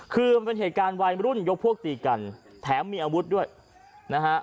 คือมันเป็นเหตุการณ์วัยรุ่นยกพวกตีกันแถมมีอาวุธด้วยนะฮะ